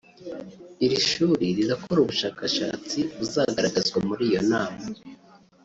Iri shuri rirakora ubushakashatsi buzagaragazwa muri iyo nama